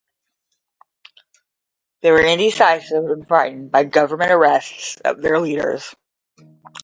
They were indecisive and frightened by government arrests of their leaders.